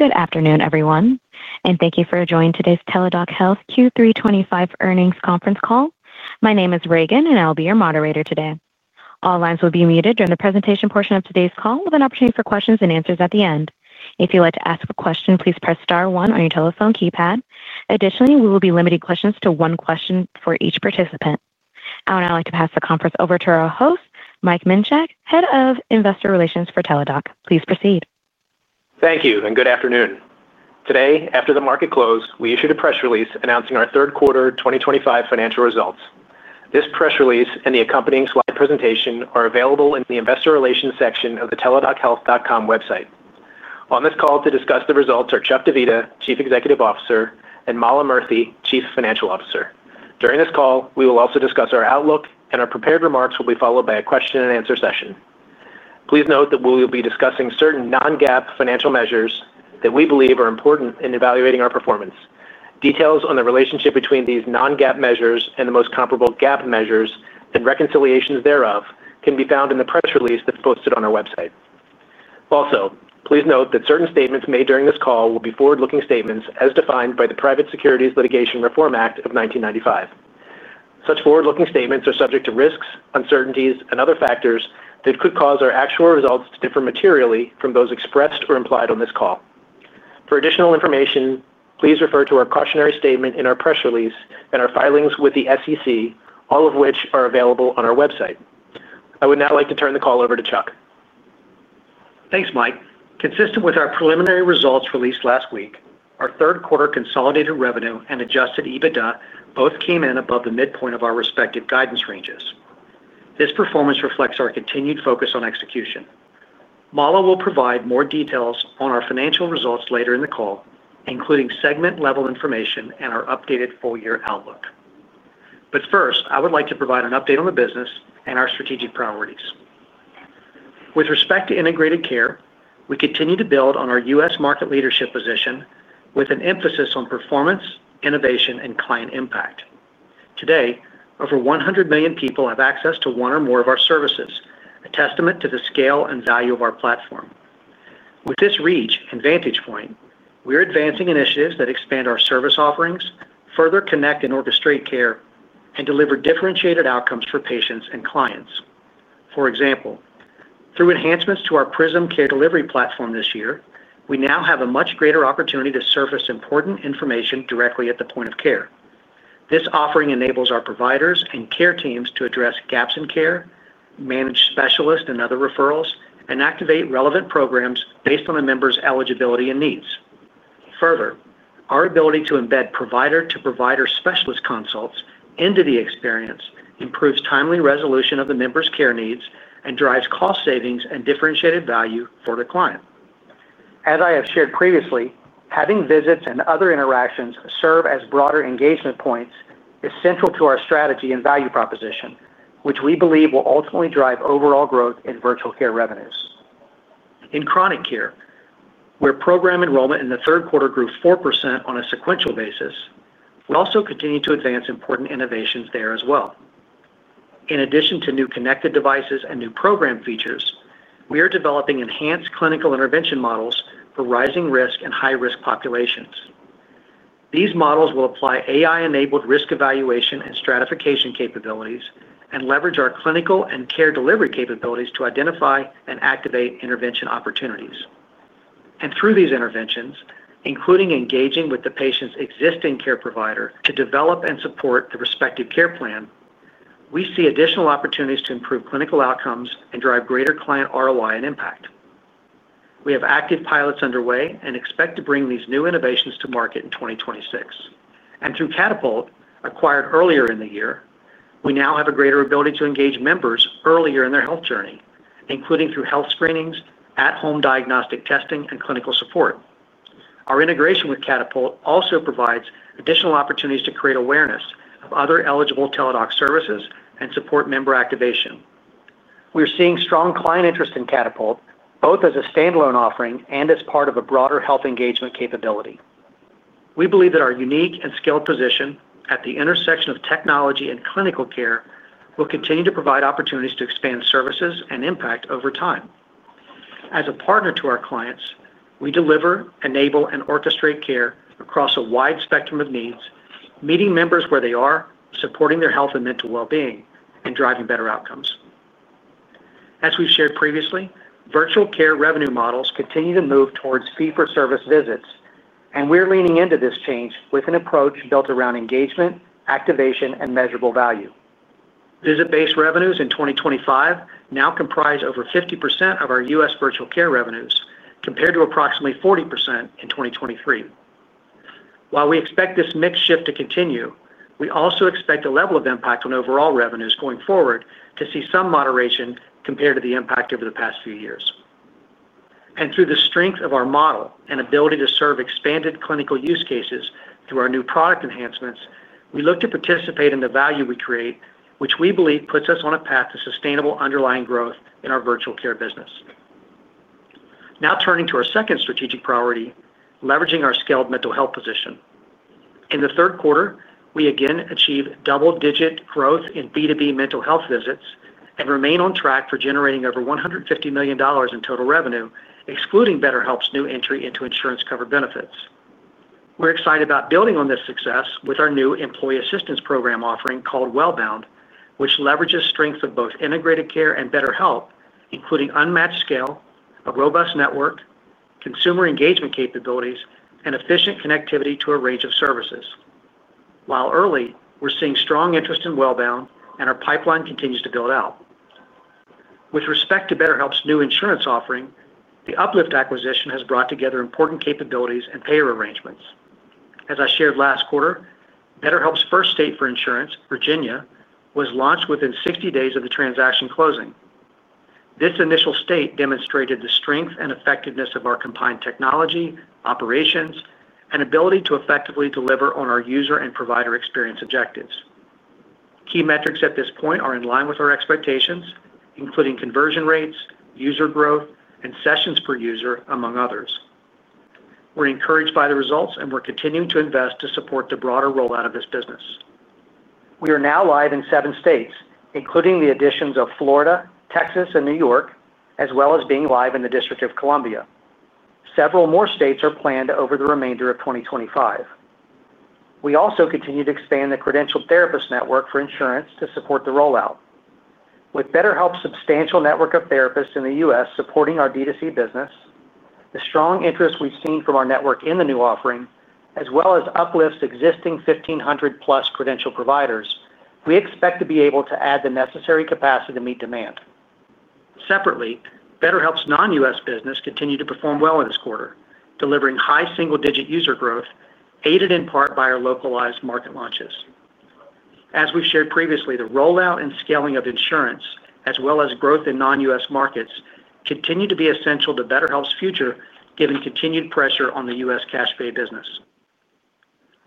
Good afternoon everyone and thank you for joining today's Teladoc Health Q3 2025 earnings conference call. My name is Regan and I'll be your moderator today. All lines will be muted during the presentation portion of today's call, with an opportunity for questions and answers at the end. If you'd like to ask a question, please press star one on your telephone keypad. Additionally, we will be limiting questions to one question for each participant. I would now like to pass the conference over to our host, Mike Minchak, Head of Investor Relations for Teladoc. Please proceed. Thank you and good afternoon. Today, after the market close, we issued a press release announcing our third quarter 2025 financial results. This press release and the accompanying slide presentation are available in the Investor Relations section of the teladochealth.com website. On this call to discuss the results are Chuck Divita, Chief Executive Officer, and Mala Murthy, Chief Financial Officer. During this call we will also discuss our outlook and our prepared remarks will be followed by a question and answer session. Please note that we will be discussing certain non-GAAP financial measures that we believe are important in evaluating our performance. Details on the relationship between these non-GAAP measures and the most comparable GAAP measures and reconciliations thereof can be found in the press release that's posted on our website. Also, please note that certain statements made during this call will be forward-looking statements as defined by the Private Securities Litigation Reform Act of 1995. Such forward-looking statements are subject to risks, uncertainties, and other factors that could cause our actual results to differ materially from those expressed or implied on this call. For additional information, please refer to our cautionary statement in our press release and our filings with the SEC, all of which are available on our website. I would now like to turn the call over to Chuck. Thanks, Mike. Consistent with our preliminary results released last week, our third quarter consolidated revenue and adjusted EBITDA both came in above the midpoint of our respective guidance ranges. This performance reflects our continued focus on execution. Mala will provide more details on our financial results later in the call, including segment-level information and our updated full-year outlook. First, I would like to provide an update on the business and our strategic priorities with respect to integrated care. We continue to build on our U.S. market leadership position with an emphasis on performance, innovation, and client impact. Today, over 100 million people have access to one or more of our services, a testament to the scale and value of our platform. With this reach and vantage point, we're advancing initiatives that expand our service offerings, further connect and orchestrate care, and deliver differentiated outcomes for patients and clients. For example, through enhancements to our Prism care delivery platform this year, we now have a much greater opportunity to surface important information directly at the point of care. This offering enables our providers and care teams to address gaps in care, manage specialists and other referrals, and activate relevant programs based on the member's eligibility and needs. Further, our ability to embed provider-to-provider specialist consults into the experience improves timely resolution of the member's care needs and drives cost savings and differentiated value for the client. As I have shared previously, having visits and other interactions serve as broader engagement points is central to our strategy and value proposition, which we believe will ultimately drive overall growth in virtual care revenues. In chronic care, where program enrollment in the third quarter grew 4% on a sequential basis, we also continue to advance important innovations there as well. In addition to new connected devices and new program features, we are developing enhanced clinical intervention models for rising risk and high-risk populations. These models will apply AI-enabled risk evaluation and stratification capabilities and leverage our clinical and care delivery capabilities to identify and activate intervention opportunities. Through these interventions, including engaging with the patient's existing care provider to develop and support the respective care plan, we see additional opportunities to improve clinical outcomes and drive greater client ROI and impact. We have active pilots underway and expect to bring these new innovations to market in 2026. Through Catapult, acquired earlier in the year, we now have a greater ability to engage members earlier in their health journey, including through health screenings at home, diagnostic testing, and clinical support. Our integration with Catapult also provides additional opportunities to create awareness of other eligible Teladoc services and support member activation. We are seeing strong client interest in Catapult both as a standalone offering and as part of a broader health engagement capability. We believe that our unique and skilled position at the intersection of technology and clinical care will continue to provide opportunities to expand services and impact over time. As a partner to our clients, we deliver, enable, and orchestrate care across a wide spectrum of needs, meeting members where they are, supporting their health and mental well-being, and driving better outcomes. As we've shared previously, virtual care revenue models continue to move towards fee-for-service visits, and we're leaning into this change with an approach built around engagement, activation, and measurable value. Visit-based revenues in 2025 now comprise over 50% of our U.S. virtual care revenues, compared to approximately 40% in 2023. While we expect this mix shift to continue, we also expect a level of impact on overall revenues going forward to see some moderation compared to the impact over the past few years. Through the strength of our model and ability to serve expanded clinical use cases through our new product enhancements, we look to participate in the value we create, which we believe puts us on a path to sustainable underlying growth in our virtual care business. Now turning to our second strategic priority, leveraging our scaled mental health position. In the third quarter, we again achieved double-digit growth in B2B mental health visits and remain on track for generating over $150 million in total revenue, excluding BetterHelp's new entry into insurance-covered benefits. We're excited about building on this success with our new employee assistance program offering called Wellbound, which leverages strengths of both integrated care and BetterHelp, including unmatched scale, a robust network, consumer engagement capabilities, and efficient connectivity to a range of services. Although early, we're seeing strong interest in Wellbound, and our pipeline continues to build out with respect to BetterHelp's new insurance offering. The UpLift acquisition has brought together important capabilities and payer arrangements. As I shared last quarter, BetterHelp's first state for insurance, Virginia, was launched within 60 days of the transaction closing. This initial state demonstrated the strength and effectiveness of our combined technology, operations, and ability to effectively deliver on our user and provider experience objectives. Key metrics at this point are in line with our expectations, including conversion rates, user growth, and sessions per user, among others. We're encouraged by the results, and we're continuing to invest to support the broader rollout of this business. We are now live in seven states including the additions of Florida, Texas, and New York, as well as being live in the District of Columbia. Several more states are planned over the remainder of 2025. We also continue to expand the credentialed therapist network for insurance to support the rollout with BetterHelp's substantial network of therapists in the U.S. supporting our DTC business. The strong interest we've seen from our network in the new offering, as well as UpLift's existing 1,500+ credentialed providers, we expect to be able to add the necessary capacity to meet demand. Separately, BetterHelp's non-U.S. business continued to perform well in this quarter, delivering high single-digit user growth, aided in part by our localized market launches. As we've shared previously, the rollout and scaling of insurance as well as growth in non-U.S. markets continue to be essential to BetterHelp's future, given continued pressure on the U.S. cash pay business.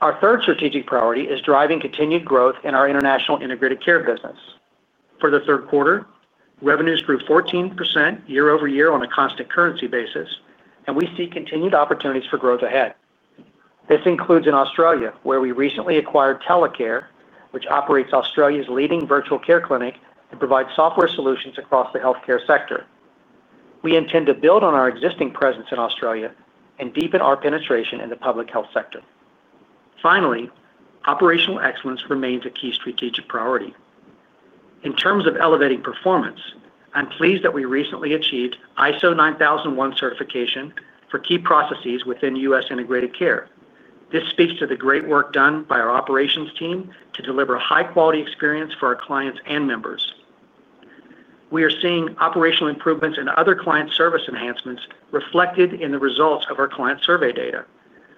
Our third strategic priority is driving continued growth in our international integrated care business. For the third quarter, revenues grew 14% year-over-year on a constant currency basis, and we see continued opportunities for growth ahead. This includes in Australia, where we recently acquired Telecare, which operates Australia's leading virtual care clinic and provides software solutions across the healthcare sector. We intend to build on our existing presence in Australia and deepen our penetration in the public health sector. Finally, operational excellence remains a key strategic priority in terms of elevating performance. I'm pleased that we recently achieved ISO 9001 certification for key processes within U.S. integrated care. This speaks to the great work done by our operations team to deliver a high-quality experience for our clients and members. We are seeing operational improvements and other client service enhancements reflected in the results of our client survey data,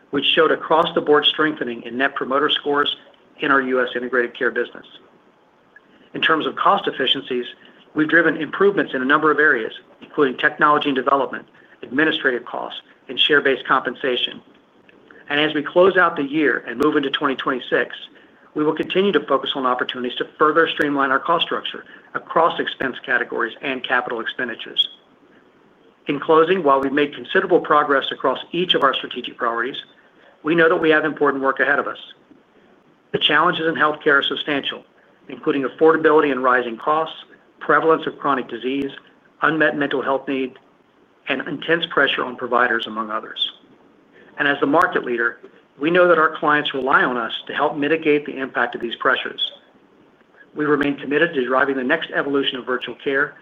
which showed across-the-board strengthening in net promoter scores in our U.S. integrated care business. In terms of cost efficiencies, we've driven improvements in a number of areas including technology and development, administrative costs, and share-based compensation. As we close out the year and move into 2026, we will continue to focus on opportunities to further streamline our cost structure across expense categories and capital expenditures. In closing, while we've made considerable progress across each of our strategic priorities, we know that we have important work ahead of us. The challenges in health care are substantial, including affordability and rising costs, prevalence of chronic disease, unmet mental health needs, and intense pressure on providers, among others. As the market leader, we know that our clients rely on us to help mitigate the impact of these pressures. We remain committed to driving the next evolution of virtual care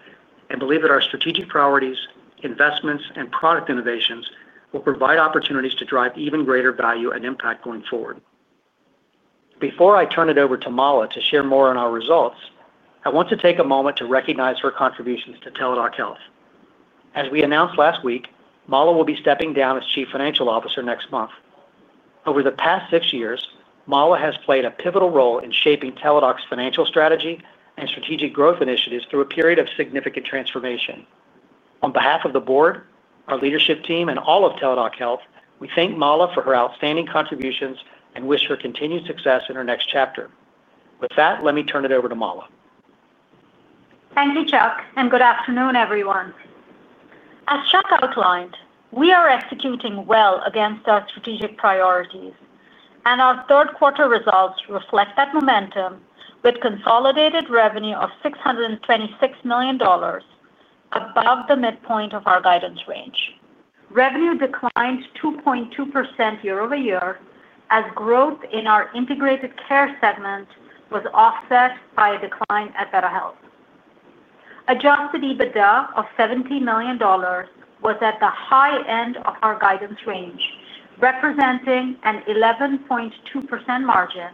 and believe that our strategic priorities, investments, and product innovations will provide opportunities to drive even greater value and impact going forward. Before I turn it over to Mala to share more on our results, I want to take a moment to recognize her contributions to Teladoc Health. As we announced last week, Mala will be stepping down as Chief Financial Officer next month. Over the past six years, Mala has played a pivotal role in shaping Teladoc's financial strategy and strategic growth initiatives through a period of significant transformation. On behalf of the Board, our leadership team, and all of Teladoc Health, we thank Mala for her outstanding contributions and wish her continued success in her next chapter. With that, let me turn it over to Mala. Thank you, Chuck, and good afternoon, everyone. As Chuck outlined, we are executing well against our strategic priorities, and our third quarter results reflect that momentum. With consolidated revenue of $626 million, above the midpoint of our guidance range, revenue declined 2.2% year-over-year as growth in our Integrated Care segment was offset by a decline at BetterHelp. Adjusted EBITDA of $70 million was at the high end of our guidance range, representing an 11.2% margin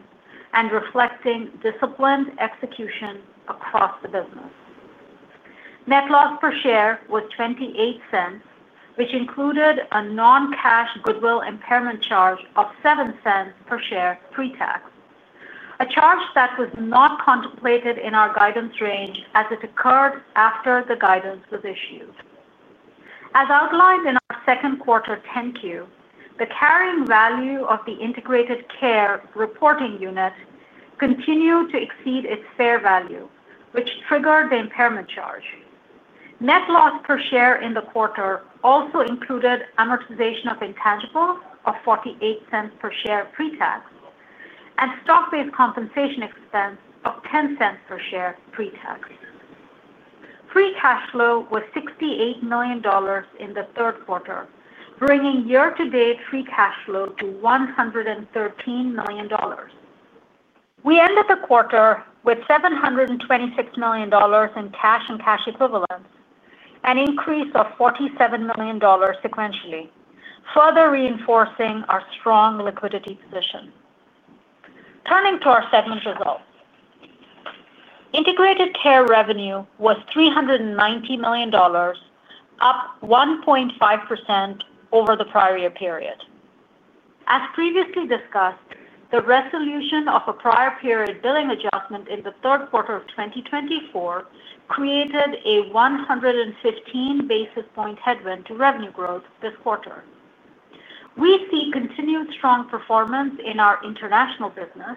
and reflecting disciplined execution across the business. Net loss per share was $0.28, which included a non-cash goodwill impairment charge of $0.07 per share pre-tax, a charge that was not contemplated in our guidance range as it occurred after the guidance was issued. As outlined in our second quarter 10-Q, the carrying value of the Integrated Care reporting unit continued to exceed its fair value, which triggered the impairment charge. Net loss per share in the quarter also included amortization of intangibles of $0.48 per share pre-tax and stock-based compensation expense of $0.10 per share pre-tax. Free cash flow was $68 million in the third quarter, bringing year-to-date free cash flow to $113 million. We ended the quarter with $726 million in cash and cash equivalents, an increase of $47 million sequentially, further reinforcing our strong liquidity position. Turning to our segment results, Integrated Care revenue was $390 million, up 1.5% over the prior year period. As previously discussed, the resolution of a prior period billing adjustment in the third quarter of 2024 created a 115 basis point headwind to revenue growth. This quarter, we see continued strong performance in our international business,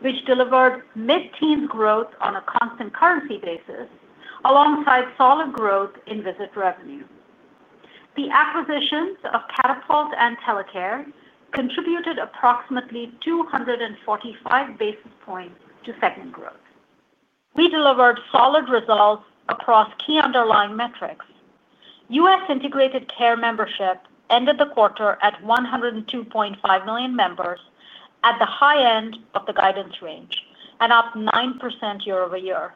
which delivered mid-teens growth on a constant currency basis alongside solid growth in visit revenue. The acquisitions of Catapult and Telecare contributed approximately 245 basis points to segment growth. We delivered solid results across key underlying metrics. U.S. Integrated Care membership ended the quarter at 102.5 million members, at the high end of the guidance range and up 9% year-over-year.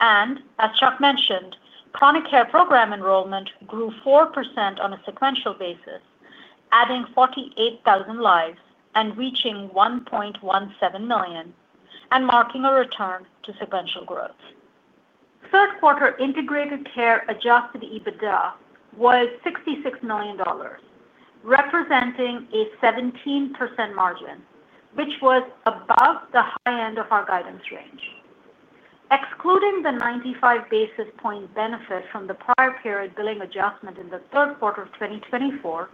As Chuck mentioned, chronic care program enrollment grew 4% on a sequential basis, adding 48,000 lives and reaching 1.17 million, marking a return to sequential growth. Third quarter Integrated Care adjusted EBITDA was $66 million, representing a 17% margin, which was above the high end of our guidance range. Excluding the 95 basis point benefit from the prior period billing adjustment in the third quarter of 2024,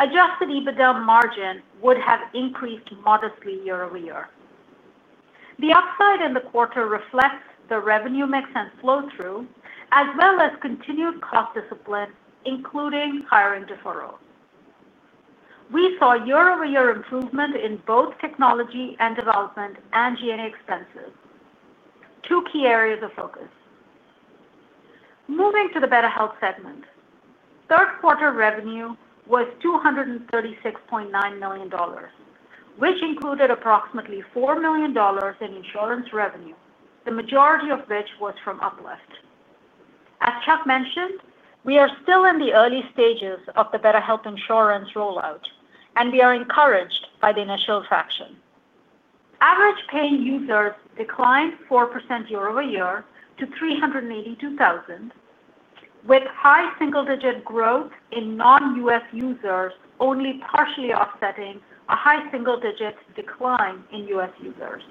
adjusted EBITDA margin would have increased modestly year-over-year. The upside in the quarter reflects the revenue mix and flow through, as well as continued cost discipline, including hiring deferrals. We saw year-over-year improvement in both technology and development and G&A expenses, two key areas of focus. Moving to the BetterHelp segment, third quarter revenue was $236.9 million, which included approximately $4 million in insurance revenue, the majority of which was from UpLift. As Chuck mentioned, we are still in the early stages of the BetterHelp insurance rollout, and we are encouraged by the initial traction. Average paying users declined 4% year-over-year to 382,000, with high single digit growth in non-U.S. users only partially offsetting a high single digit decline in U.S. users.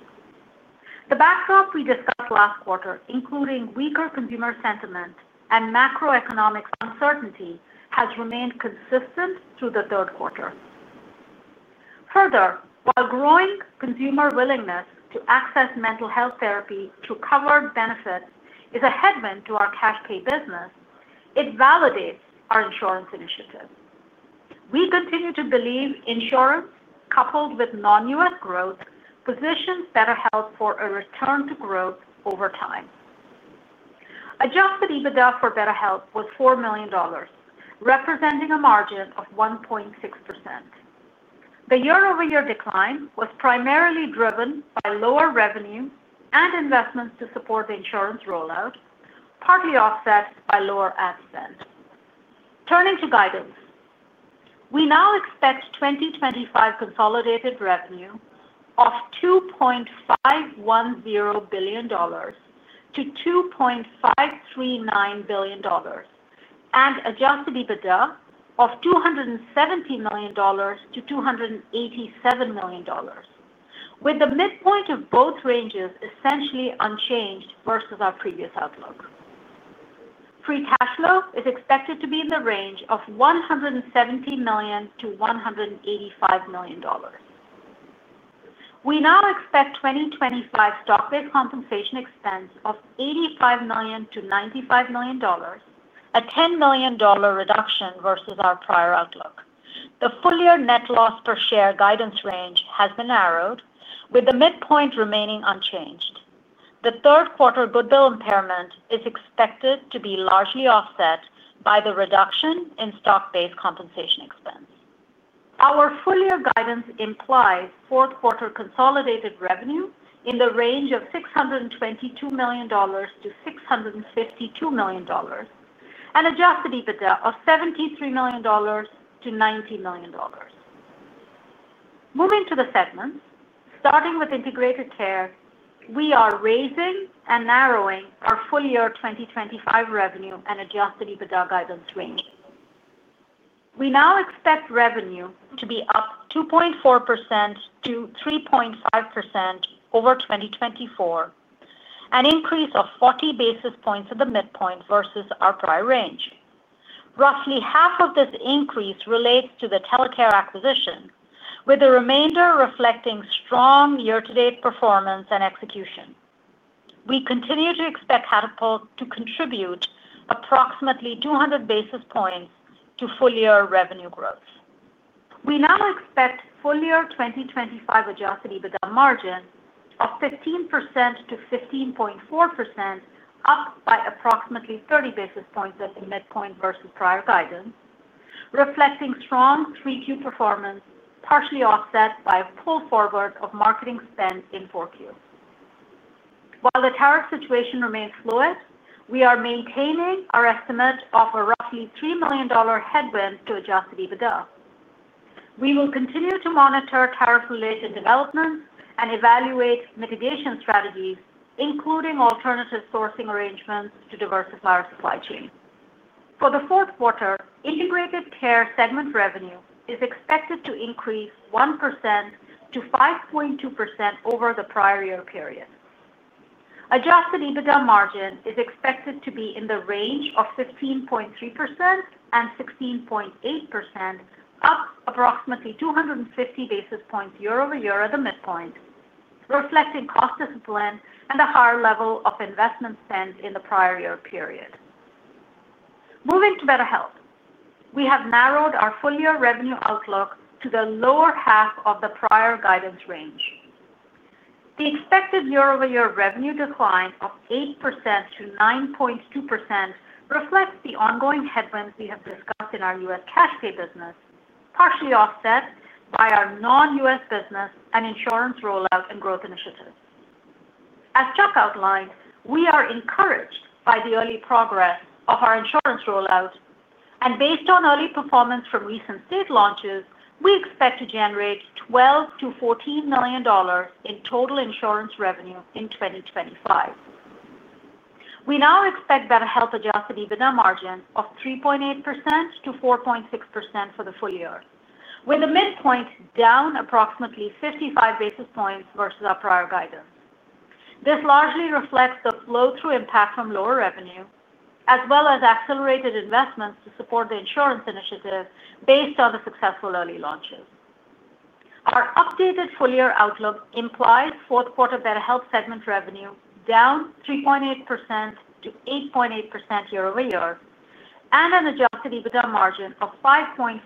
The backdrop we discussed last quarter, including weaker consumer sentiment and macroeconomic uncertainty, has remained consistent through the third quarter. Further, while growing consumer willingness to access mental health therapy through covered benefits is a headwind to our cash-pay business, it validates our insurance initiative. We continue to believe insurance, coupled with non-U.S. growth, positions BetterHelp for a return to growth over time. Adjusted EBITDA for BetterHelp was $4 million, representing a margin of 1.6%. The year-over-year decline was primarily driven by lower revenue and investments to support the insurance rollout, partly offset by lower ad spend. Turning to guidance, we now expect 2025 consolidated revenue of $2.510 billion-$2.539 billion and adjusted EBITDA of $270 million-$287 million, with the midpoint of both ranges essentially unchanged versus our previous outlook. Free cash flow is expected to be in the range of $170 million-$185 million. We now expect 2025 stock-based compensation expense of $85 million-$95 million, a $10 million reduction versus our prior outlook. The full year net loss per share guidance range has been narrowed, with the midpoint remaining unchanged. The third quarter goodwill impairment is expected to be largely offset by the reduction in stock-based compensation expense. Our full year guidance implies fourth quarter consolidated revenue in the range of $622 million-$652 million and adjusted EBITDA of $73 million-$90 million. Moving to the segments, starting with Integrated Care, we are raising and narrowing our full year 2025 revenue and adjusted EBITDA guidance range. We now expect revenue to be up 2.4%-3.5% over 2024, an increase of 40 basis points at the midpoint versus our prior range. Roughly half of this increase relates to the Telecare acquisition, with the remainder reflecting strong year-to-date performance and execution. We continue to expect Catapult to contribute approximately 200 basis points to full year revenue growth. We now expect full year 2025 adjusted EBITDA margin of 15%-15.4%, up by approximately 30 basis points at the midpoint versus prior guidance, reflecting strong 3Q performance partially offset by a pull forward of marketing spend in 4Q. While the tariff situation remains fluid, we are maintaining our estimate of a roughly $3 million headwind to adjusted EBITDA. We will continue to monitor tariff-related developments and evaluate mitigation strategies, including alternative sourcing arrangements to diversify our supply chain. For the fourth quarter, Integrated Care segment revenue is expected to increase 1% to 5.2% over the prior year period. Adjusted EBITDA margin is expected to be in the range of 15.3% and 16.8%, up approximately 250 basis points year-over-year at the midpoint, reflecting cost discipline and a higher level of investment spend in the prior year period. Moving to BetterHelp, we have narrowed our full year revenue outlook to the lower half of the prior guidance range. The expected year-over-year revenue decline of 8% to 9.2% reflects the ongoing headwinds we have discussed in our U.S. Cash pay business, partially offset by our non-U.S. business and insurance rollout and growth initiatives. As Chuck outlined, we are encouraged by the early progress of our insurance rollout, and based on early performance from recent state launches, we expect to generate $12 million-$14 million in total insurance revenue in 2025. We now expect BetterHelp adjusted EBITDA margin of 3.8%-4.6% for the full year, with the midpoint down approximately 55 basis points versus our prior guidance. This largely reflects the flow-through impact from lower revenue as well as accelerated investments to support the insurance initiative based on the successful early launches. Our updated full year outlook implies fourth quarter BetterHelp segment revenue down 3.8% to 8.8% year-over-year and an adjusted EBITDA margin of 5.5%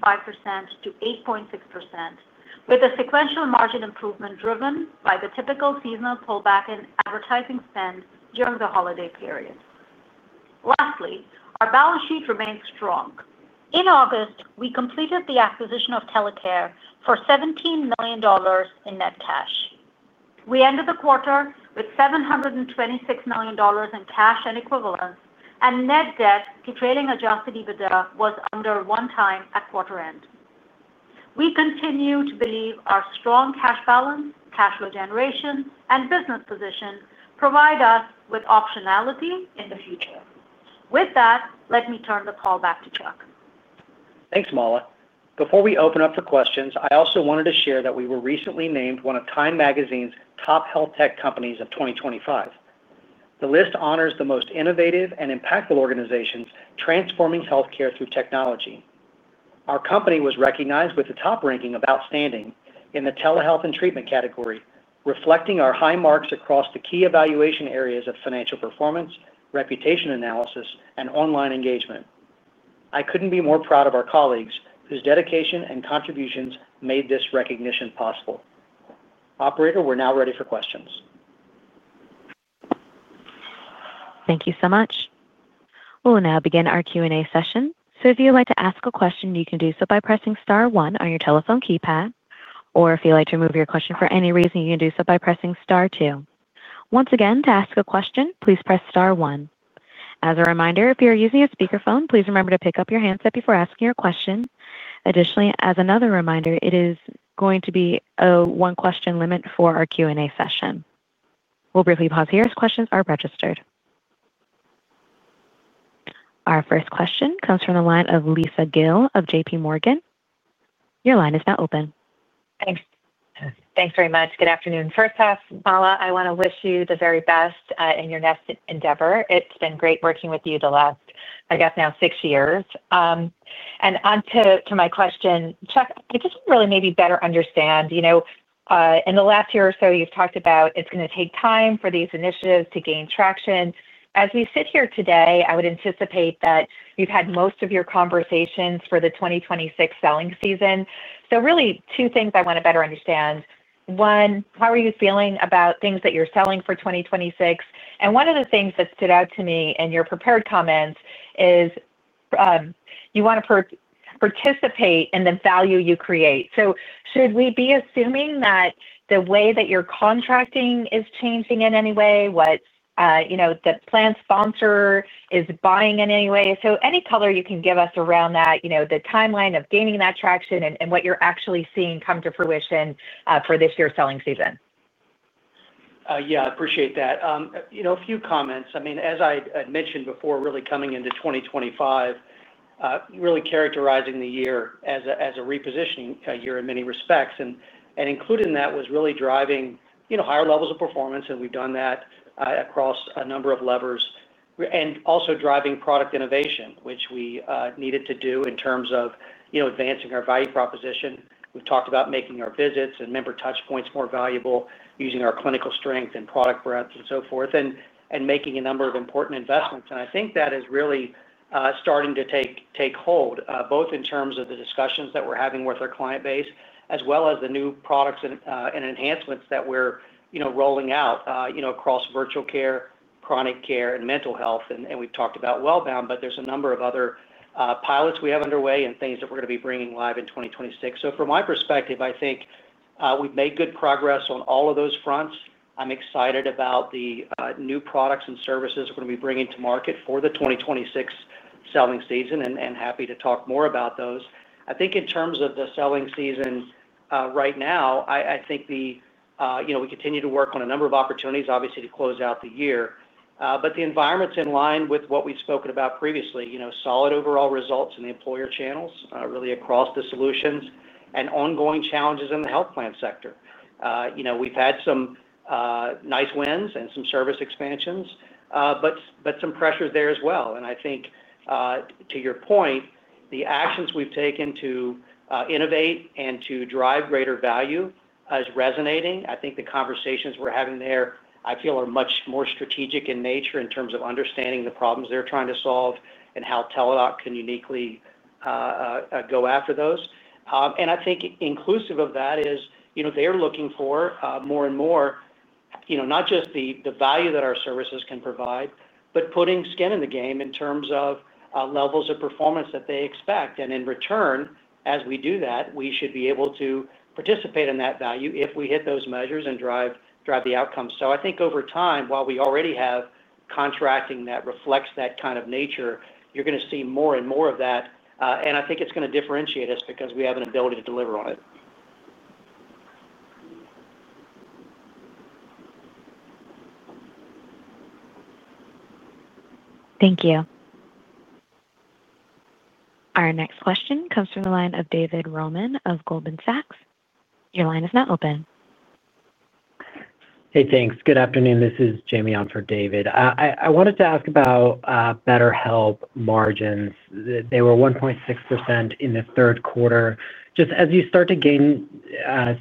to 8.6% with a sequential margin improvement driven by the typical seasonal pullback in advertising spend during the holiday period. Lastly, our balance sheet remains strong. In August, we completed the acquisition of Telecare for $17 million in net cash. We ended the quarter with $726 million in cash and equivalents and net debt to trailing adjusted EBITDA was under one time at quarter end. We continue to believe our strong cash balance, cash flow generation, and business position provide us with optionality in the future. With that, let me turn the call back to Chuck. Thanks, Mala. Before we open up for questions, I also wanted to share that we were recently named one of Time magazine's top health tech companies of 2025. The list honors the most innovative and impactful organizations transforming health care through technology. Our company was recognized with the top ranking of outstanding in the telehealth and treatment category, reflecting our high marks across the key evaluation areas of financial performance, reputation analysis, and online engagement. I couldn't be more proud of our colleagues whose dedication and contributions made this recognition possible. Operator, we're now ready for questions. Thank you so much. We will now begin our Q&A session. If you'd like to ask a question, you can do so by pressing star one on your telephone keypad. If you'd like to remove your question for any reason, you can do so by pressing star two. Once again, to ask a question, please press star one. As a reminder, if you're using a speakerphone, please remember to pick up your handset before asking your question. Additionally, as another reminder, it is going to be a one question limit for our Q&A session. We'll briefly pause here as questions are registered. Our first question comes from the line of Lisa Gill of JPMorgan. Your line is now open. Thanks. Thanks very much. Good afternoon. First, Mala, I want to wish you the very best in your next endeavor. It's been great working with you the last, I guess now six years. On to my question. Chuck, I just really maybe better understand, you know, in the last year or so you've talked about, it's going to take time for these initiatives to gain traction. As we sit here today, I would anticipate that you've had most of your conversations for the 2026 selling season. Really, two things I want to better understand. One, how are you feeling about things that you're selling for 2026? One of the things that stood out to me in your prepared comments is you want to participate in the value you create. Should we be assuming that the way that you're contracting is changing in any way? What the plan sponsor is buying in any way? Any color you can give us around that, the timeline of gaining that traction and what you're actually seeing come to fruition for this year's selling season. Yeah, I appreciate that. You know, a few comments. As I mentioned before, really coming into 2025, really characterizing the year as a repositioning year in many respects, and included in that was really driving higher levels of performance. We've done that across a number of levers and also driving product innovation, which we needed to do in terms of advancing our value proposition. We've talked about making our visits and member touch points more valuable using our clinical strength and product breadth and so forth and making a number of important investments. I think that is really starting to take hold both in terms of the discussions that we're having with our client base, as well as the new products and enhancements that we're rolling out across virtual care, chronic care, and mental health. We've talked about Wellbound, but there's a number of other pilots we have underway and things that we're going to be bringing live in 2026. From my perspective, I think we've made good progress on all of those fronts. I'm excited about the new products and services we're going to be bringing to market for the 2026 selling season, and happy to talk more about those. I think in terms of the selling season right now, we continue to work on a number of opportunities, obviously to close out the year, but the environment's in line with what we've spoken about previously. Solid overall results in the employer channels, really, across the solutions and ongoing challenges in the health plan sector. We've had some nice wins and some service expansions, but some pressures there as well. To your point, the actions we've taken to innovate and to drive greater value is resonating. I think the conversations we're having there, I feel, are much more strategic in nature in terms of understanding the problems they're trying to solve and how Teladoc can uniquely go after those. Inclusive of that is, they're looking for more and more, you know, not just the value that our services can provide, but putting skin in the game in terms of levels of performance that they expect. In return, as we do that, we should be able to participate in that value if we hit those measures and drive the outcome. I think over time, while we already have contracting that reflects that kind of nature, you're going to see more and more of that. I think it's going to differentiate us because we have an ability to deliver on it. Thank you. Our next question comes from the line of David Roman of Goldman Sachs. Your line is now open. Hey, thanks. Good afternoon. This is Jamie on for David. I wanted to ask about BetterHelp margins. They were 1.6% in the third quarter. Just as you start to gain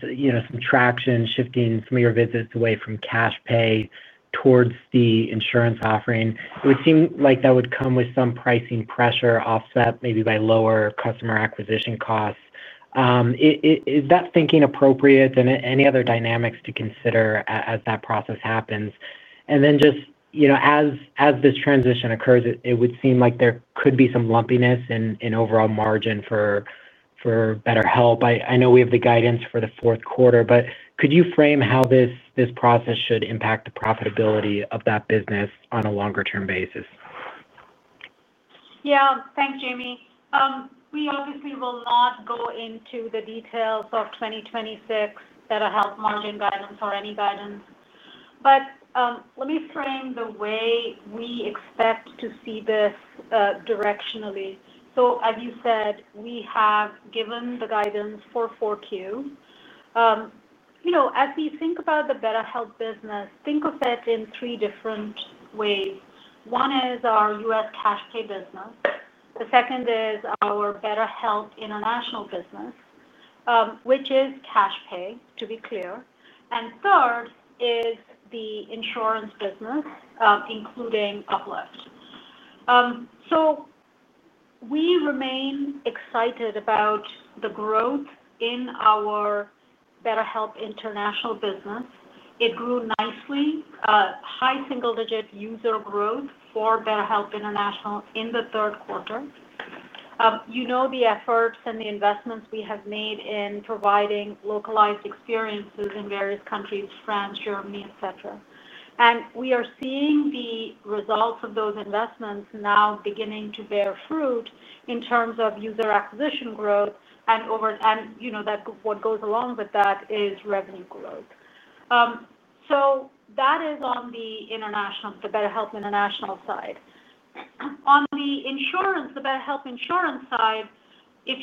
some traction, shifting some of your visits away from cash pay towards the insurance offering, it would seem like that would come with some pricing pressure, offset maybe by lower customer acquisition costs. Is that thinking appropriate? Any other dynamics to consider as that process happens? As this transition occurs, it would seem like there could be some lumpiness in overall margin for BetterHelp. I know we have the guidance for the fourth quarter, but could you frame how this process should impact the profitability of that business on a longer term basis? Yeah, thanks Jamie. We obviously will not go into the details of 2026 BetterHelp margin guidance or any guidance, but let me frame the way we expect to see this directionally. As you said, we have given the guidance for 4Q. As we think about the BetterHelp business, think of it in three different, one is our U.S. cash-pay business. The second is our BetterHelp International business, which is cash-pay, to be clear. Third is the insurance business, including UpLift. We remain excited about the growth in our BetterHelp International business. It grew nicely, high single-digit user growth for BetterHelp International in the third quarter. The efforts and the investments we have made in providing localized experiences in various countries, France, Germany, et cetera, and we are seeing the results of those investments now beginning to bear fruit in terms of user acquisition growth and over. What goes along with that is revenue growth. That is on the BetterHelp International side. On the insurance, the BetterHelp insurance side, based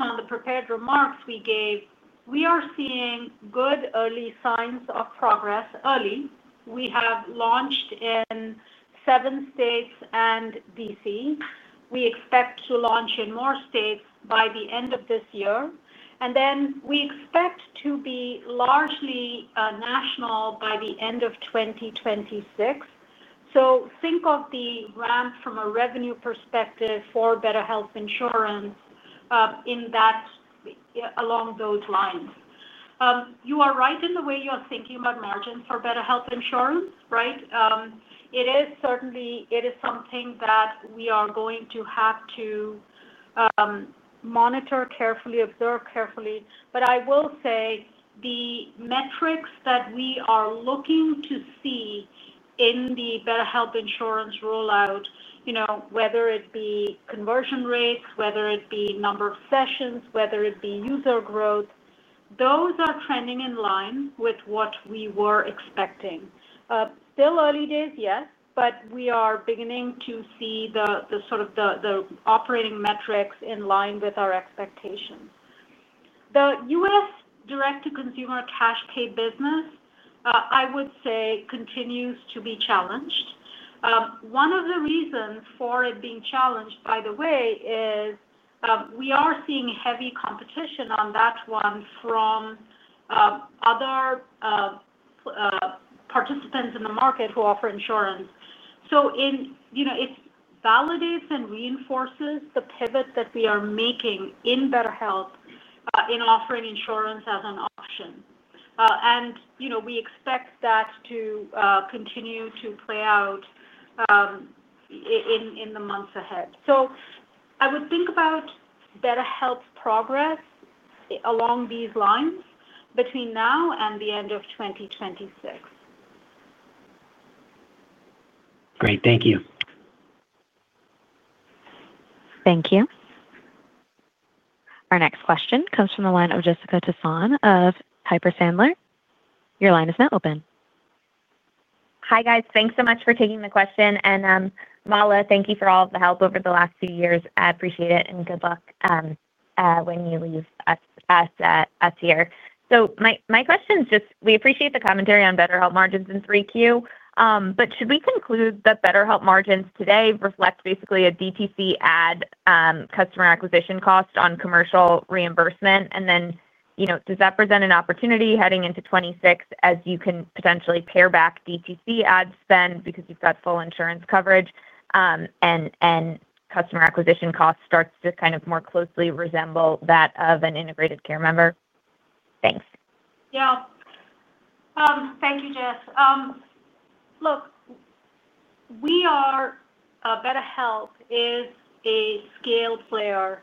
on the prepared remarks we gave, we are seeing good, early signs of progress. We have launched in seven states and D.C. We expect to launch in more states by the end of this year and we expect to be largely national by the end of 2026. Think of the ramp from a revenue perspective for BetterHelp insurance along those lines. You are right in the way you're thinking about margins for BetterHelp insurance. Right. It is certainly something that we are going to have to monitor carefully, observe carefully. I will say the metrics that we are looking to see in the BetterHelp insurance rollout, whether it be conversion rates, whether it be number of sessions, whether it be user growth, those are trending in line with what we were expecting. Still early days, yes, but we are beginning to see the operating metrics in line with our expectations. The U.S. direct-to-consumer cash pay business, I would say, continues to be challenged. One of the reasons for it being challenged, by the way, is we are seeing heavy competition on that one from. Other. Participants in the market who offer insurance. It validates and reinforces the pivot that we are making in BetterHelp in offering insurance as an option. We expect that to continue to play out in the months ahead. I would think about BetterHelp progress along these lines between now and the end of 2026. Great. Thank you. Thank you. Our next question comes from the line of Jessica Tassan of Piper Sandler. Your line is now open. Hi guys. Thanks so much for taking the question. Mala, thank you for all the help over the last few years. I appreciate it and good luck when you leave us here. My question is just we appreciate the commentary on BetterHelp margins in 3Q, but should we conclude that BetterHelp margins today reflect basically a DTC ad customer acquisition cost on commercial reimbursement, and then, you know, does that present an opportunity heading into 2026 as you can potentially pare back DTC ad spend because you've got full insurance coverage and customer acquisition cost starts to kind of more closely resemble that of an Integrated Care member. Thanks. Thank you, Jess. Look, BetterHelp is a scale player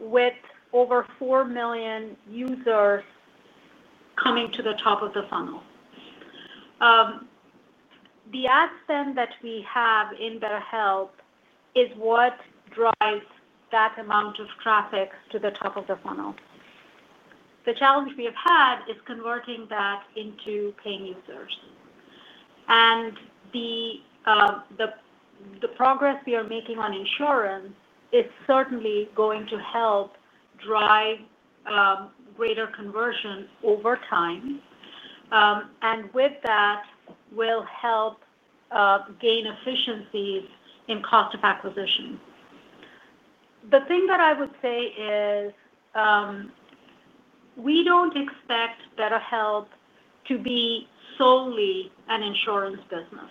with over 4 million users coming to the top of the funnel. The ad spend that we have in BetterHelp is what drives that amount of traffic to the top of the funnel. The challenge we have had is converting that into paying users and the progress we are making on insurance is certainly going to help drive greater conversion over time, and with that will help gain efficiencies in cost of acquisition. The thing that I would say is we don't expect BetterHelp to be solely an insurance business.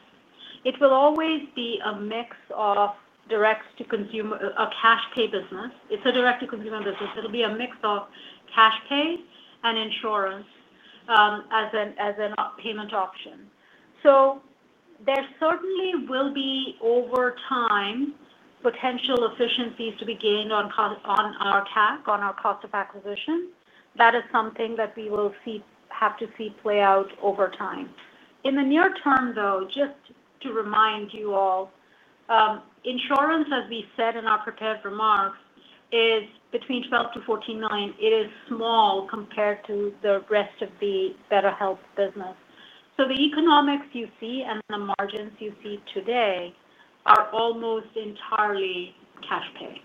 It will always be a mix of direct to consumer, a cash pay business. It's a direct to consumer business. It will be a mix of cash pay and insurance as a payment option. There certainly will be over time potential efficiencies to be gained on our CAC, on our cost of acquisition. That is something that we will have to see play out over time. In the near term though, just to remind you, all insurance, as we said in our prepared remarks, is between $12 million to $14 million. It is small compared to the rest of the BetterHelp business. The economics you see and the margins you see today are almost entirely cash pay.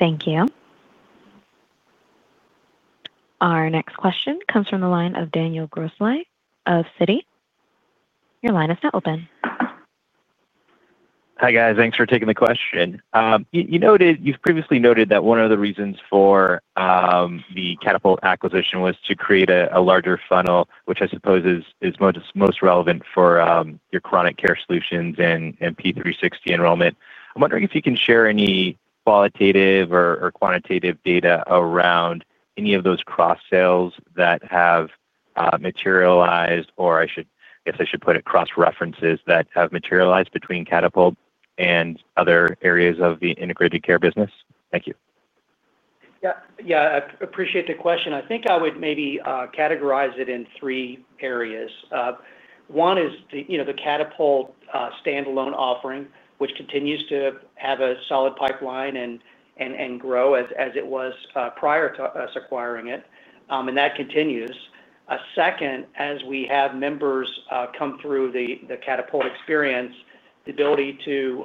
Thank you. Our next question comes from the line of Daniel Grosslight of Citi. Your line is now open. Hi guys, thanks for taking the question. You noted, you've previously noted that one of the reasons for the Catapult acquisition was to create a larger funnel, which I suppose is most relevant for your chronic care solutions and P360 enrollment. I'm wondering if you can share any qualitative or quantitative data around any of those cross sales that have materialized or I guess I should put it cross references that have materialized between Catapult and other areas of the integrated care business. Thank you. I appreciate the question. I think I would maybe categorize it in three areas. One is the Catapult standalone offering, which continues to have a solid pipeline and grow as it was prior to us acquiring it, and that continues. Second, as we have members come through the Catapult experience, the ability to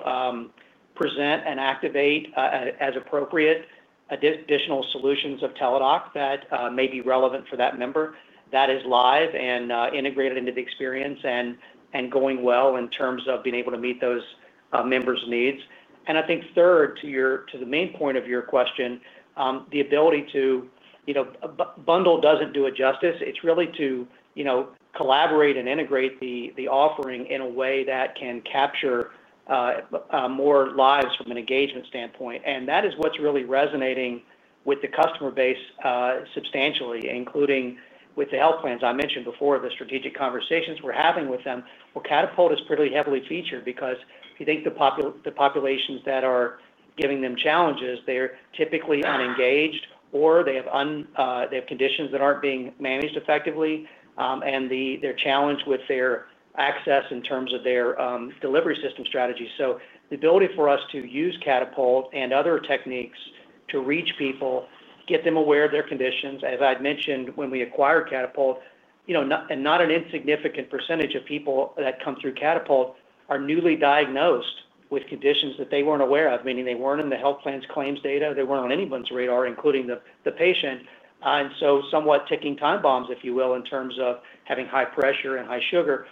present and activate as appropriate additional solutions of Teladoc that may be relevant for that member, that is live and integrated into the experience and going well in terms of being able to meet those members' needs. I think third, to the main point of your question, the ability to, you know, bundle doesn't do it justice. It's really to, you know, collaborate and integrate the offering in a way that can capture more lives from an engagement standpoint. That is what's really resonating with the customer base substantially, including with the health plans. I mentioned before the strategic conversations we're having with them. Catapult is pretty heavily featured because you think the populations that are giving them challenges, they're typically unengaged or they have conditions that aren't being managed effectively and they're challenged with their access in terms of their delivery system strategy. The ability for us to use Catapult and other techniques to reach people, get them aware of their conditions. As I mentioned, when we acquired Catapult, not an insignificant % of people that come through Catapult are newly diagnosed with conditions that they weren't aware of, meaning they weren't in the health plan's claims data, they weren't on anyone's radar, including the patient. Somewhat ticking time bombs, if you will, in terms of having high pressure and high sugar.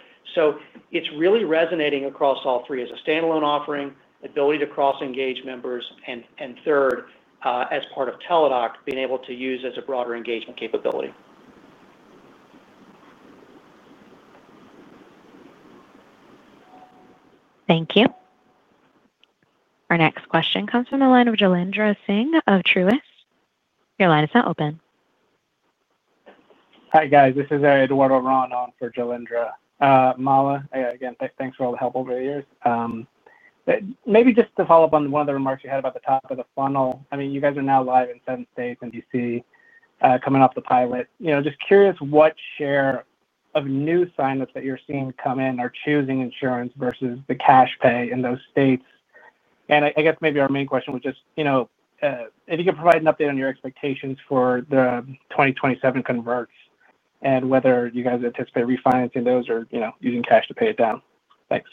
It's really resonating across all three as a standalone offering, ability to cross engage members and third, as part of Teladoc, being able to use as a broader engagement capability. Thank you. Our next question comes from the line of Jailendra Singh of Truist. Your line is now open. Hi guys, this is Eduardo Ron on for Jailendra Mala. Again, thanks for all the help over the years. Maybe just to follow up on one of the remarks you had about the top of the funnel. You guys are now live in seven states and D.C. coming off the pilot. Just curious what share of new signups that you're seeing come in are choosing insurance versus the cash pay in those states. I guess maybe our main question would just, if you could provide an update on your expectations for the 2027 converts and whether you guys anticipate refinancing those or using cash to pay it down. Thanks.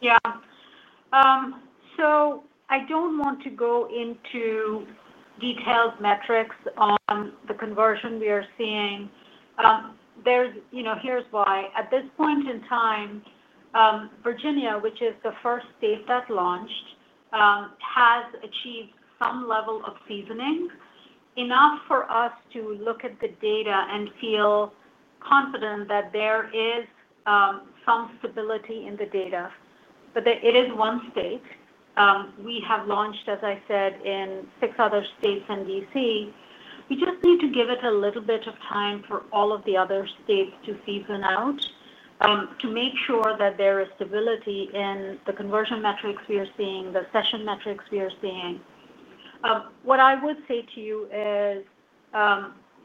Yeah, I don't want to go into detailed metrics on the conversion we are seeing. Here's why. At this point in time, Virginia, which is the first state that launched, has achieved some level of seasoning enough for us to look at the data and feel confident that there is some stability in the data. It is one state. We have launched, as I said, in six other states and D.C. We just need to give it a little bit of time for all of the other states to season out to make sure that there is stability in the conversion metrics we are seeing, the session metrics we are seeing. What I would say to you is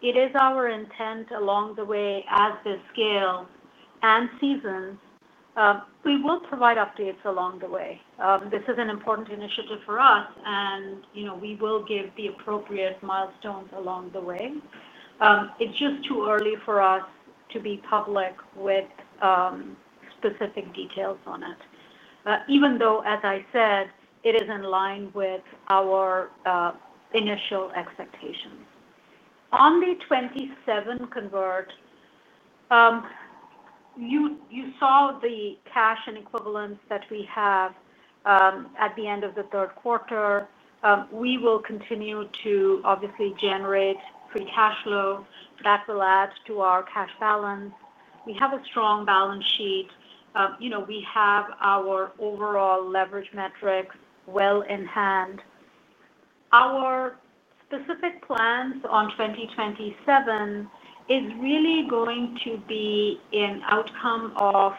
it is our intent along the way as this scales and seasons, we will provide updates along the way. This is an important initiative for us and we will give the appropriate milestones along the way. It's just too early for us to be public with specific details on it, even though, as I said, it is in line with our initial expectations. On the 2027 convert, you saw the cash and equivalents that we have at the end of the third quarter. We will continue to obviously generate free cash flow that will add to our cash balance. We have a strong balance sheet. We have our overall leverage metrics well in hand. Our specific plans on 2027 are really going to be an outcome of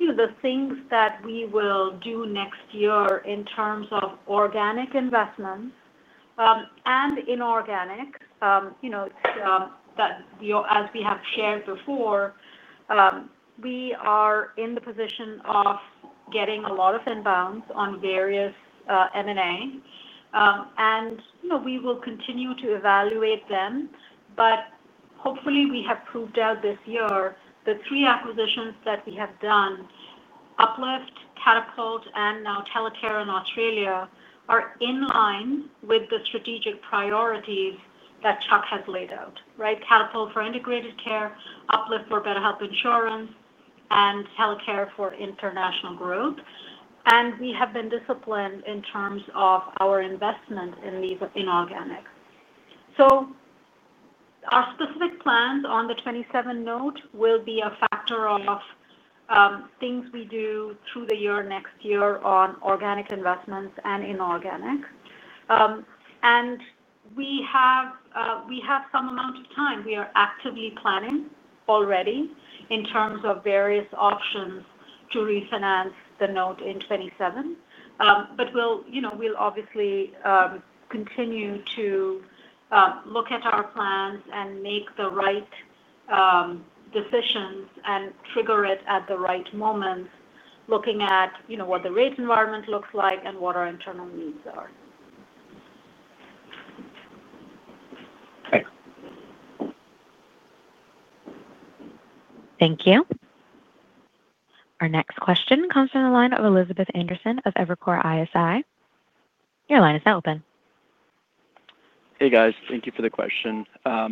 the things that we will do next year in terms of organic investments and inorganic. As we have shared before, we are in the position of getting a lot of inbounds on various M&A and we will continue to evaluate them. Hopefully we have proved out this year the three acquisitions that we have done, UpLift, Catapult, and now Telecare in Australia, are in line with the strategic priorities that Chuck has laid out. Catapult for integrated care, UpLift for BetterHelp insurance, and Telecare for international growth. We have been disciplined in terms of our investment in these inorganic opportunities. Our specific plans on the 2027 note will be a factor of things we do through the year next year on organic investments and inorganic. We have some amount of time. We are actively planning already in terms of various options to refinance the note in 2027. We will obviously continue to look at our plans and make the right decisions and trigger it at the right moment, looking at what the rate environment looks like and what our internal needs are. Thanks Thank you. Our next question comes from the line of Elizabeth Anderson of Evercore ISI. Your line is now open. Hey guys, thank you for the question.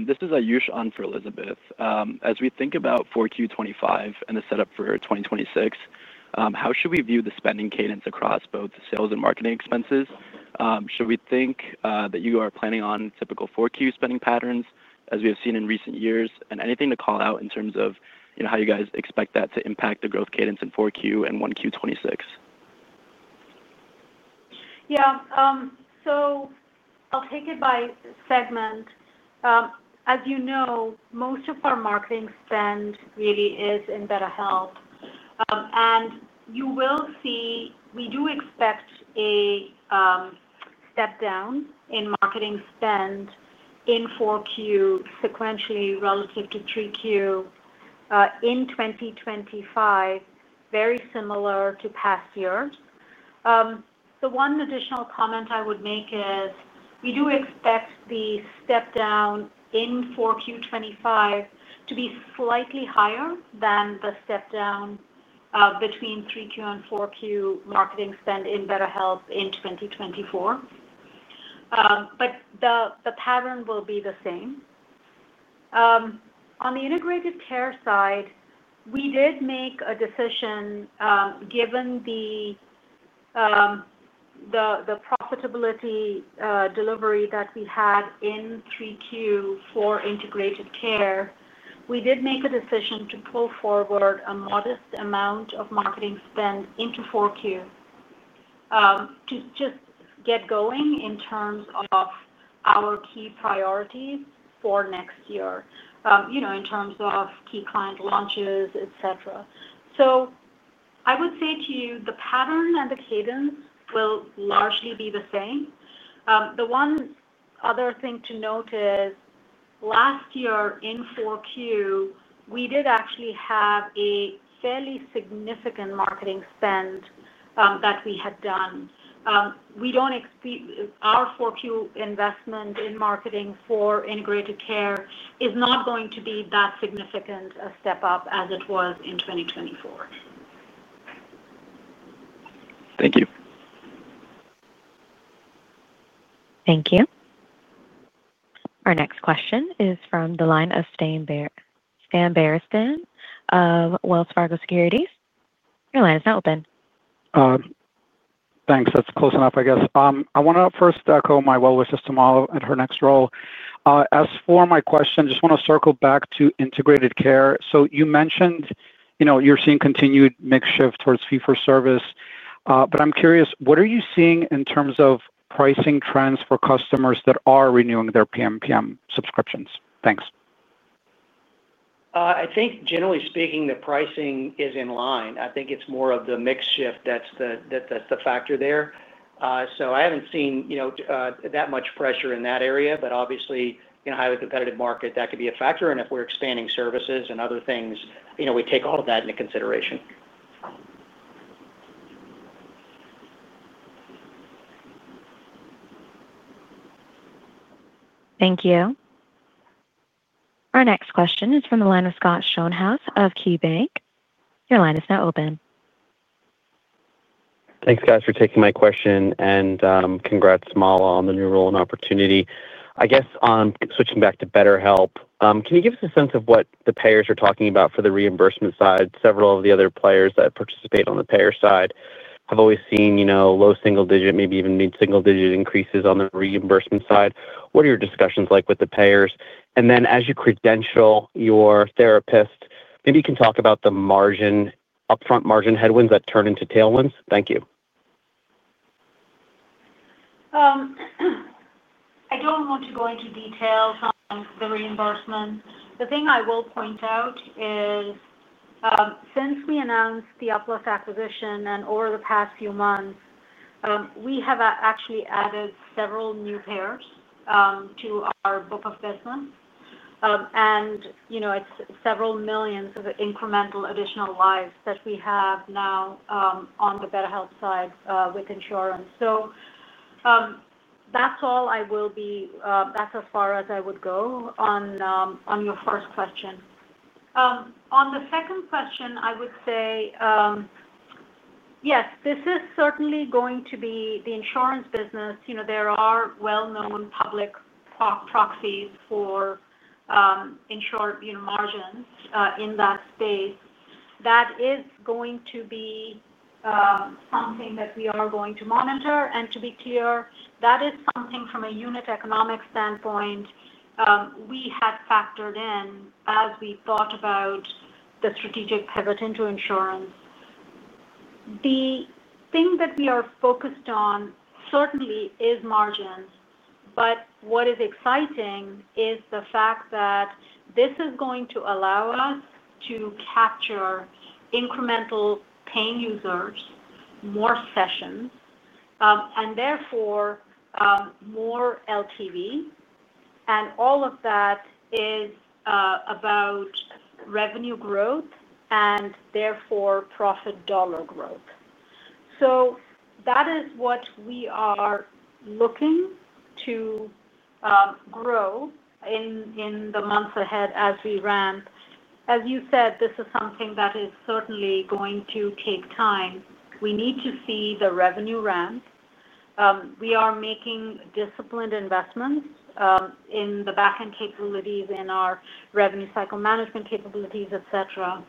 This is Ayush on for Elizabeth. As we think about 4Q2025 and the setup for 2026, how should we view the spending cadence across both sales and marketing expenses? Should we think that you are planning on typical 4Q spending patterns as we have seen in recent years, and anything to call out in terms of how you guys expect that to impact the growth cadence in 4Q and 1Q2026? Yeah. I'll take it by segment. As you know, most of our marketing spend really is in BetterHelp. You will see we do expect a step down in marketing spend in 4Q sequentially relative to 3Q in 2025, very similar to past years. The one additional comment I would make is we do expect the step down in 4Q2025 to be slightly higher than the step down between 3Q and 4Q marketing spend in BetterHelp in 2024, but the pattern will be the same. On the Integrated Care side, we did make a decision, given the profitability delivery that we had in 3Q for Integrated Care, to pull forward a modest amount of marketing spend into 4Q to just get going in terms of our key priorities for next year, in terms of key client launches, et cetera. I would say to you, the pattern and the cadence will largely be the same. The one other thing to note is last year in 4Q, we did actually have a fairly significant marketing spend that we had done. Our 4Q investment in marketing for Integrated Care is not going to be that significant a step up as it was in 2020. Thank you. Thank you. Our next question is from the line of Stan Berenshteyn of Wells Fargo Securities. Your line is now open. Thanks. That's close enough. I guess I want to first echo my well wishes to Mala in her next role. As for my question, just want to circle back to integrated care. You mentioned you're seeing continued mix shift towards fee-for-service. I'm curious, what are you seeing in terms of pricing trends for customers that are renewing their PMPM subscriptions? Thanks. I think generally speaking the pricing is in line. I think it's more of the mix shift. That's the factor there. I haven't seen that much pressure in that area. Obviously, in a highly competitive market that could be a factor. If we're expanding services and other things, we take all of that into consideration. Thank you. Our next question is from the line of Scott Schoenhaus of KeyBanc. Your line is now open. Thanks, guys, for taking my question. Congrats, Mala, on the new role and opportunity. I guess on switching back to BetterHelp, can you give us a sense of what the payers are talking about for the reimbursement side? Several of the other players that participate on the payer side have always seen, you know, low single digit, maybe even mid single digit increases on the reimbursement side. What are your discussions like with the payers? As you credential your therapists, maybe you can talk about the margin, upfront margin headwinds that turn into tailwinds. Thank you. I don't want to go into details on the reimbursement. The thing I will point out is since we announced the UpLift acquisition and over the past few months we have actually added several new payers to our book of business, and it's several millions of incremental additional lives that we have now on the BetterHelp side with insurance. That's all I will be. That's as far as I would go on your first question. On the second question I would say yes, this is certainly going to be the insurance business. There are well known public proxies for insured margins in that space. That is going to be something that we are going to monitor, and to be clear, that is something from a unit economic standpoint. We had factored in as we thought about the strategic pivot into insurance. The thing that we are focused on certainly is margins. What is exciting is the fact that this is going to allow us to capture incremental paying users, more sessions, and therefore more LTV. All of that is about revenue growth and therefore profit dollar growth. That is what we are looking to grow in the months ahead. As we ramp, as you said, this is something that is certainly going to take time. We need to see the revenue ramp. We are making disciplined investments in the back end capabilities, in our revenue cycle management capabilities, et cetera.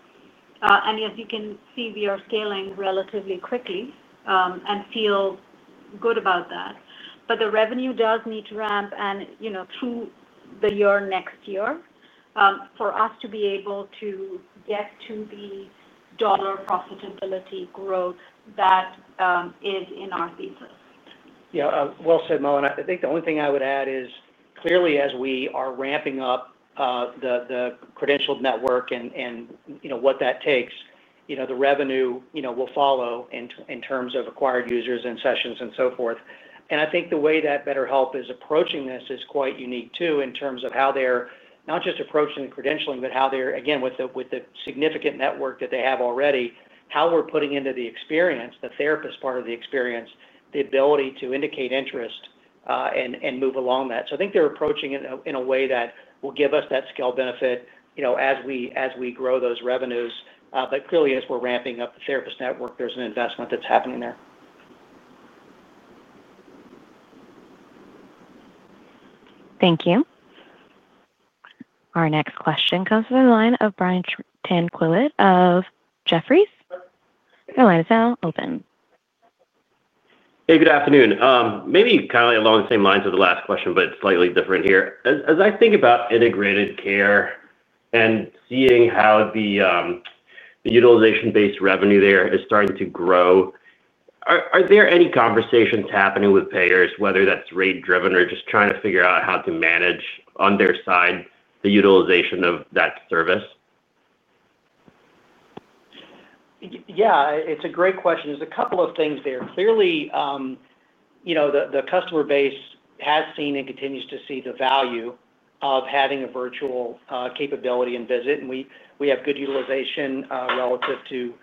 As you can see, we are scaling relatively quickly and feel good about that. The revenue does need to ramp, and through the year, next year for us to be able to get to the dollar profitability growth that is in our thesis. Yeah, well said, Mala. I think the only thing I would add is clearly as we are ramping up the credentialed network and you know what that takes, the revenue will follow in terms of acquired users and sessions and so forth. I think the way that BetterHelp is approaching this is quite unique too in terms of how they're not just approaching the credentialing but how they're again with the significant network that they have already, how we're putting into the experience, the therapist part of the experience, the ability to indicate interest and move along that. I think they're approaching in a way that will give us that scale benefit as we grow those revenues. Clearly, as we're ramping up the therapist network, there's an investment that's happening there. Thank you. Our next question comes from the line of Brian Tanquilut of Jefferies. The line is now open. Hey, good afternoon. Maybe kind of along the same lines of the last question, but slightly different here. As I think about integrated care and seeing how the utilization-based revenue there is starting to grow, are there any conversations happening with payers, whether that's rate driven or just trying to figure out how to manage on their side the utilization of that service? Yeah, it's a great question. There's a couple of things there. Clearly, the customer base has seen and continues to see the value of having a virtual capability and visit, and we have good utilization relative to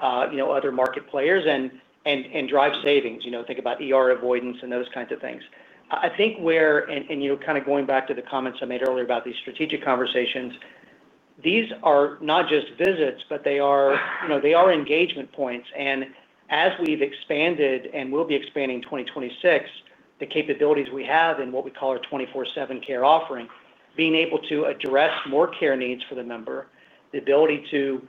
other market players and drive savings. Think about ER avoidance and those kinds of things. Where, and kind of going back to the comments I made earlier about these strategic conversations, these are not just visits but they are engagement points. As we've expanded and will be expanding in 2026, the capabilities we have in what we call our 24/7 care offering, being able to address more care needs for the member, the ability to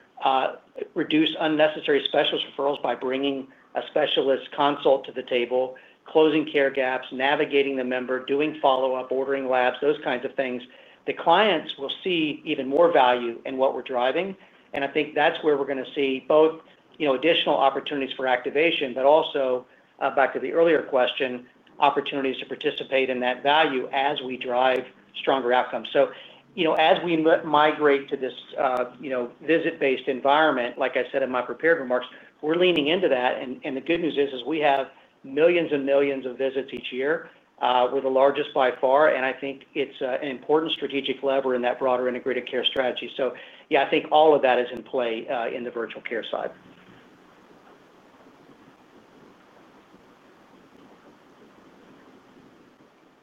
reduce unnecessary specialist referrals by bringing a specialist consult to the table, closing care gaps, navigating the member, doing follow-up, ordering labs, those kinds of things, the clients will see even more value in what we're driving. I think that's where we're going to see both additional opportunities for activation, but also back to the earlier question, opportunities to participate in that value as we drive stronger outcomes. As we migrate to this visit-based environment, like I said in my prepared remarks, we're leaning into that. The good news is we have millions and millions of visits each year. We're the largest by far, and I think it's an important strategic lever in that broader integrated care strategy. I think all of that is in play in the virtual care side.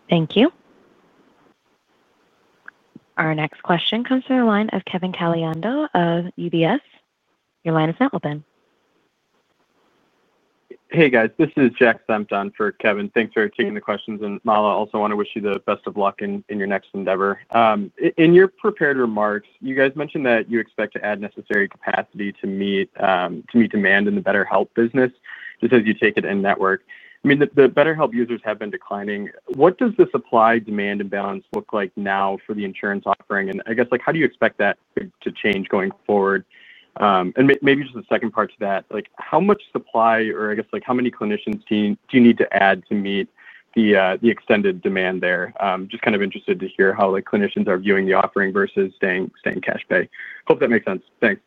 Thank you. Our next question comes from the line of Kevin Caliendo of UBS. Your line is now open. Hey guys, this is Jack Senft on for Kevin. Thanks for taking the questions and Mala, also want to wish you the best of luck in your next endeavor. In your prepared remarks, you guys mentioned that you expect to add necessary capacity to meet demand in the BetterHelp business just as you take it in network. I mean, the BetterHelp users have been declining. What does the supply demand imbalance look like now for the insurance offering? I guess, how do you expect that to change going forward? Maybe just a second part to that, how much supply or how many clinicians do you need to add to meet the extended demand there? Just kind of interested to hear how clinicians are viewing the offering versus staying cash pay. Hope that makes sense. Thanks.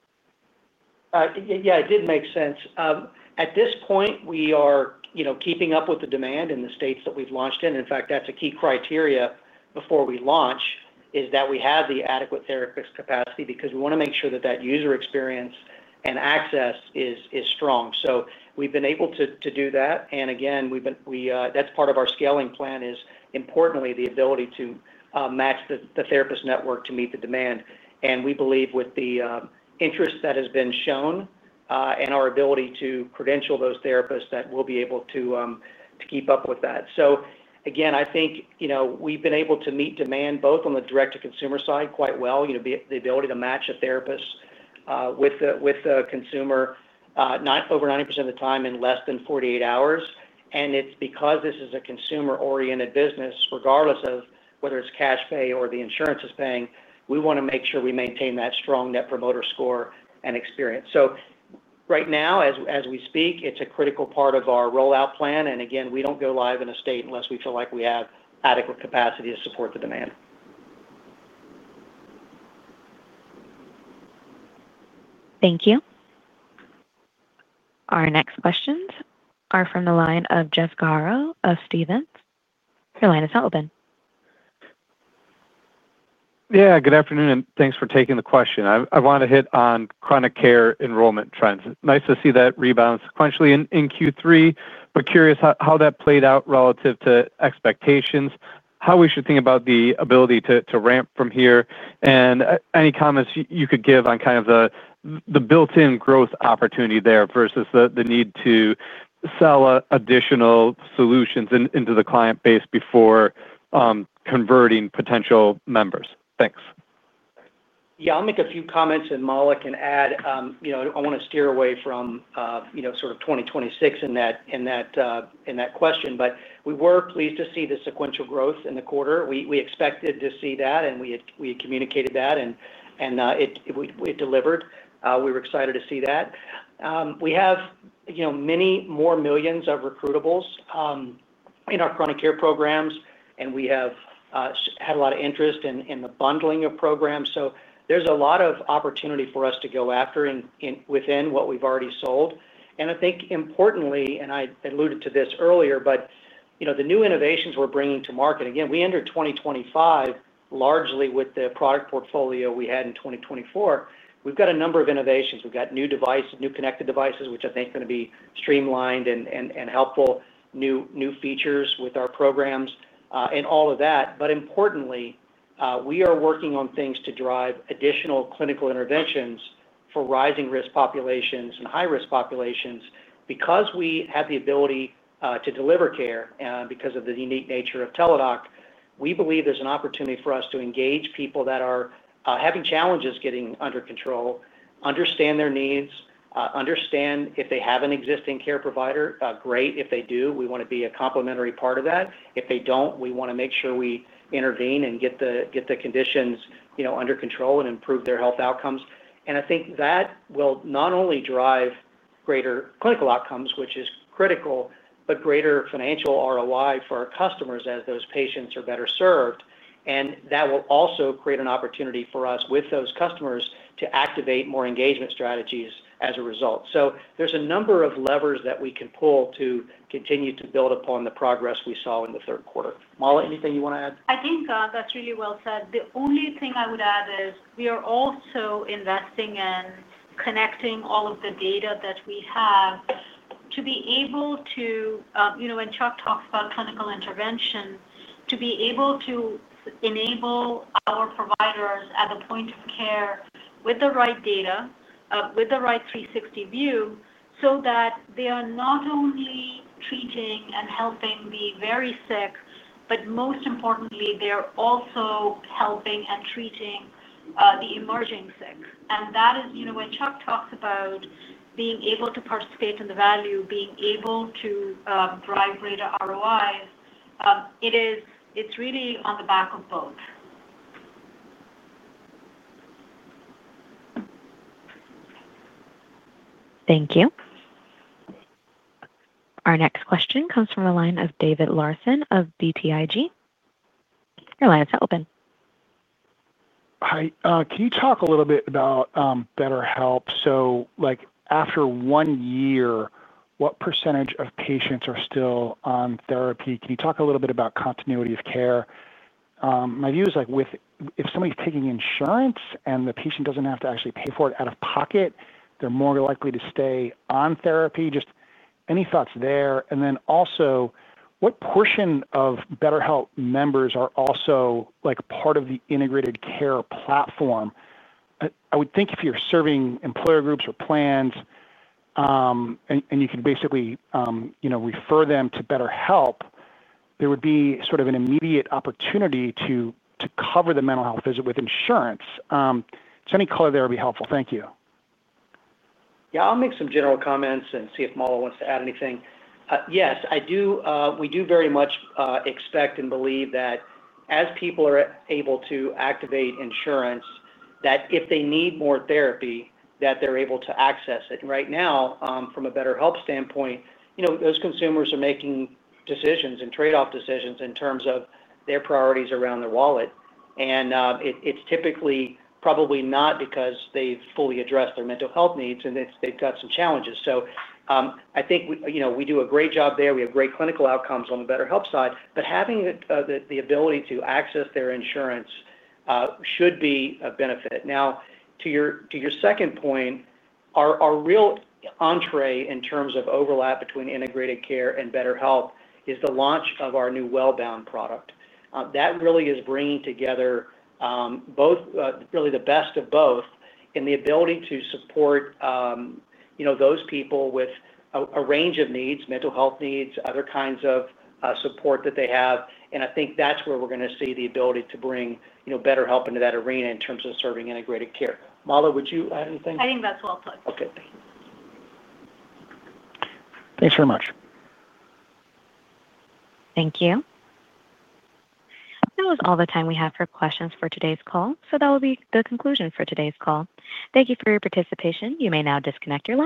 Yeah, it did make sense. At this point, we are keeping up with the demand in the states that we've launched in. In fact, that's a key criteria before we launch, that we have the adequate therapist capacity because we want to make sure that user experience and access is strong. We've been able to do that and that's part of our scaling plan, importantly the ability to match the therapist network to meet the demand. We believe with the interest that has been shown and our ability to credential those therapists that we'll be able to keep up with that. I think we've been able to meet demand both on the direct-to-consumer side quite well. The ability to match a therapist with the consumer, over 90% of the time in less than 48 hours. It's because this is a consumer-oriented business. Regardless of whether it's cash pay or the insurance is paying, we want to make sure we maintain that strong net promoter score and experience. Right now as we speak, it's a critical part of our rollout plan. We don't go live in a state unless we feel like we have adequate capacity to support the demand. Thank you. Our next questions are from the line of Jeff Garro of Stephens. Yeah, good afternoon and thanks for taking the question. I want to hit on chronic care enrollment trends. Nice to see that rebound sequentially in Q3, but curious how that played out relative to expectations. How we should think about the ability to ramp from here. Any comments you could give on the built-in growth opportunity there versus the need to sell additional solutions into the client base before converting potential members. Thanks. I'll make a few comments and Mala can add. I want to steer away from 2026 in that question. We were pleased to see the sequential growth in the quarter. We expected to see that and we had communicated that and we delivered. We were excited to see that we have many more millions of recruitables in our chronic care programs and we have had a lot of interest in the bundling of programs. There is a lot of opportunity for us to go after within what we've already sold. I think importantly, and I alluded to this earlier, the new innovations we're bringing to market, again, we enter 2025 largely with the product portfolio we had in 2024. We've got a number of innovations. We've got new devices, new connected devices which I think are going to be streamlined and helpful, new features with our programs and all of that. Importantly, we are working on things to drive additional clinical interventions for rising risk populations and high risk populations because we have the ability to deliver care. Because of the unique nature of Teladoc, we believe there's an opportunity for us to engage people that are having challenges getting under control, understand their needs, understand if they have an existing care provider, great. If they do, we want to be a complementary part of that. If they don't, we want to make sure we intervene and get the conditions under control and improve their health outcomes. I think that will not only drive greater clinical outcomes, which is critical, but greater financial ROI for our customers as those patients are better served. That will also create an opportunity for us with those customers to activate more engagement strategies as a result. There are a number of levers that we can pull to continue to build upon the progress we saw in the third quarter. Mala, anything you want to add? I think that's really well said. The only thing I would add is we are also investing in connecting all of the data that we have to be able to, you know, when Chuck talks about clinical intervention, to be able to enable our providers at the point of care with the right data, with the right 360 view, so that they are not only treating and helping the very sick, but most importantly, they are also helping and treating the emerging sick. That is, you know, when Chuck talks about being able to participate in the value, being able to drive greater ROIs. It is. It's really on the back of both. Thank you. Our next question comes from the line of David Larsen of BTIG, Your line is open. Hi. Can you talk a little bit about BetterHelp? After one year, what percentage of patients are still on therapy? Can you talk a little bit about continuity of care? My view is, if somebody's taking insurance and the patient doesn't have to actually pay for it out of pocket, they're more likely to stay on therapy. Any thoughts there? Also, what portion of BetterHelp members are also part of the Integrated Care platform? I would think if you're serving employer groups or plans and you can basically refer them to BetterHelp, there would be an immediate opportunity to cover the mental health visit with insurance. Any color there would be helpful. Thank you. Yeah, I'll make some general comments and see if Mala wants to add anything. Yes, I do. We do very much expect and believe that as people are able to activate insurance, if they need more therapy, they're able to access it. Right now, from a BetterHelp standpoint, those consumers are making decisions and trade-off decisions in terms of their priorities around their wallet, and it's typically probably not because they fully address their mental health needs and they've got some challenges. I think we do a great job there. We have great clinical outcomes on the BetterHelp side, but having the ability to access their insurance should be a benefit. To your second point, our real entree in terms of overlap between Integrated Care and BetterHelp is the launch of our new Wellbound product that really is bringing together both, really the best of both, and the ability to support those people with a range of needs, mental health needs, other kinds of support that they have. I think that's where we're going to see the ability to bring BetterHelp into that arena in terms of serving Integrated Care. Mala, would you add anything? I think that's well put. Thanks very much. Thank you. That was all the time we have for questions for today's call. That will be the conclusion for today's call. Thank you for your participation. Now disconnect your lines.